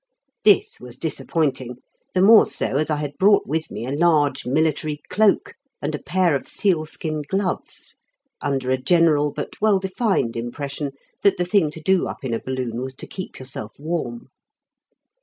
This was disappointing, the more so as I had brought with me a large military cloak and a pair of seal skin gloves, under a general but well defined impression that the thing to do up in a balloon was to keep yourself warm.